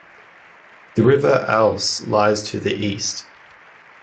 The River Ouse lies to the east.